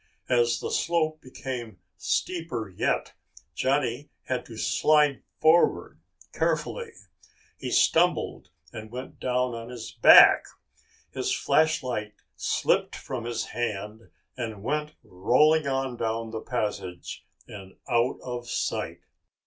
As the slope became steeper yet, Johnny had to slide forward carefully. He stumbled and went down on his back. His flashlight slipped from his hand and went rolling on down the passage and out of sight.